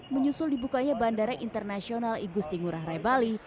menyusul dibukanya bandara internasional igustingurah rai bali